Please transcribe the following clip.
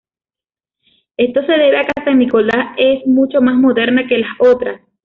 Esto se debe a que San Nicolás es mucho más moderna que las otras.